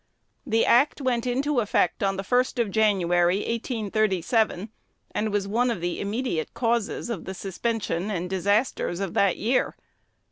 The Act went into effect on the 1st of January, 1837, and was one of the immediate causes of the suspension and disasters of that year.